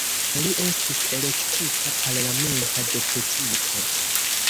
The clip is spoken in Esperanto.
Li estis elektita parlamenta deputito.